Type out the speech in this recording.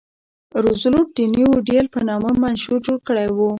روزولټ د نیو ډیل په نامه منشور جوړ کړی و.